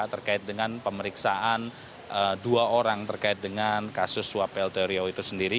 terkait dengan pemeriksaan dua orang terkait dengan kasus swapel trio itu sendiri